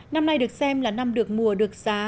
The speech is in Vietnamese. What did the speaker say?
năm nay được xem là năm được mùa được giá